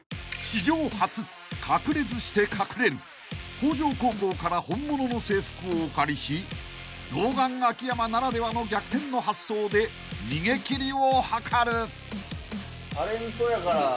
［向上高校から本物の制服をお借りし童顔秋山ならではの逆転の発想で逃げ切りを図る！］